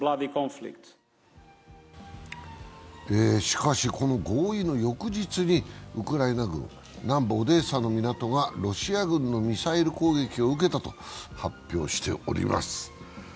しかしこの合意の翌日にウクライナ軍、南部オデーサの港がロシア軍のミサイル攻撃を受けたと発表しております。